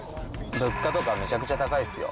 物価とかめちゃくちゃ高いですよ。